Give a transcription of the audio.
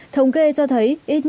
thống kê cho thấy